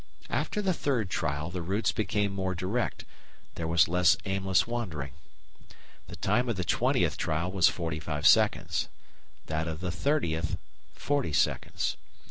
After the third trial, the routes became more direct, there was less aimless wandering. The time of the twentieth trial was forty five seconds; that of the thirtieth, forty seconds.